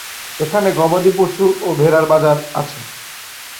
এখানে গবাদি পশু ও ভেড়ার বাজার আছে।